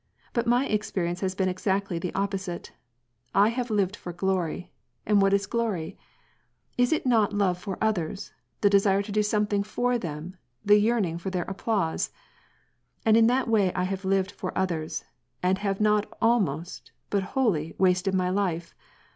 But my experience has been exactly the opposite. I have lived for glory — and what is glory ? Is it not love for others, the desire to do something for them, the yearning for their applause ? And in that way I have lived for others, and have not almost, but wholly wasted my life.